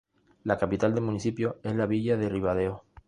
La capital del municipio es la villa de Ribadeo.